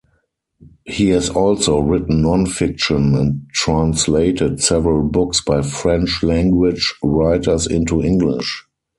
He has also written non-fiction, and translated several books by French-language writers into English.